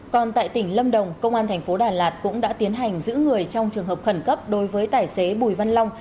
còn tại tỉnh lâm đồng công an thành phố đà lạt cũng đã tiến hành giữ người trong trường hợp khẩn cấp đối với tài xế bùi văn long